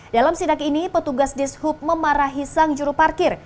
dalam sinak ini petugas dishub memarahi sang juru parkir